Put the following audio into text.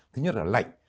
thứ nhất là lạnh